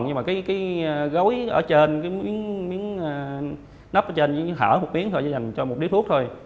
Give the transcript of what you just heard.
nhưng mà cái gối ở trên cái miếng nắp ở trên chỉ hở một miếng thôi chỉ dành cho một đĩa thuốc thôi